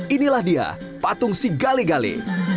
inilah dia patung si gale gale